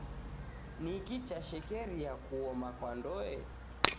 Niki chashekeria kuoma kwa ndoe